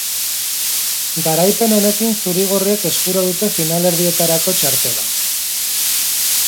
Garaipen honekin, zuri-gorriek eskura dute finalerdietarako txartela.